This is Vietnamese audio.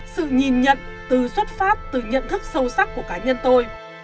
sự nhìn nhận từ xuất phát từ nhận thức sâu sắc của cá nhân tôi